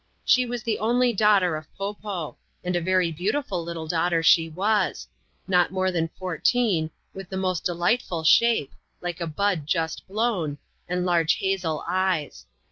She was the only daughter of Po Po ; and a very beautiful little daughter she was; not more than fourteen ; with the most delightful shape — like a bud just blown ; and large hazel eyes.